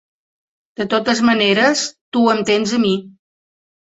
De totes maneres, tu em tens a mi.